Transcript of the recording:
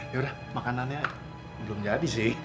yaudah makanannya belum jadi sih